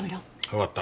わかった。